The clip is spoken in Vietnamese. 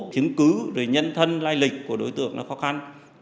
chứng cứ nhân thân lai lịch của đối tượng nó khó khăn